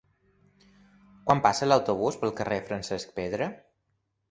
Quan passa l'autobús pel carrer Francesc Pedra?